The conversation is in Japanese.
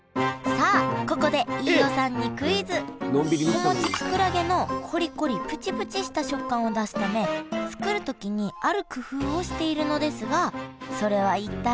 子持ちきくらげのコリコリプチプチした食感を出すため作る時にある工夫をしているのですがそれは一体何でしょう？